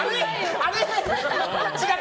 あれ？